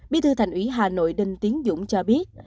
bí thư thành ủy hà nội đinh tiến dũng cho biết